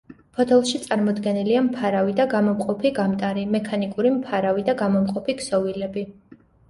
ფოთოლში წარმოდგენილია მფარავი და გამომყოფი გამტარი, მექანიკური მფარავი და გამომყოფი ქსოვილები.